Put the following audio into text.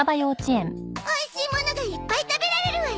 おいしいものがいっぱい食べられるわよ。